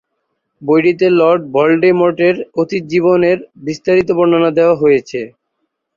বইটিতে লর্ড ভলডেমর্টের অতীত জীবনের বিস্তারিত বর্ণনা দেয়া হয়েছে।